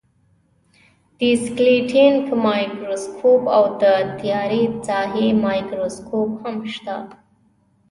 دیسکټینګ مایکروسکوپ او د تیارې ساحې مایکروسکوپ هم شته.